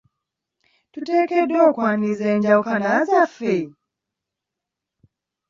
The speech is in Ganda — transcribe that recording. Tuteekeddwa okwaniriza enjawukana zaffe?